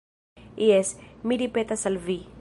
Jes, mi ripetas al vi.